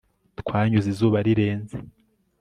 twanyuze izuba rirenze